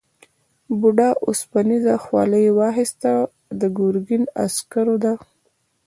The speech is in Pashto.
بوډا اوسپنيزه خولۍ واخیسته دا د ګرګین عسکرو ده.